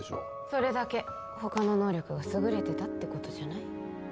それだけ他の能力が優れてたってことじゃない？